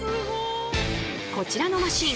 こちらのマシン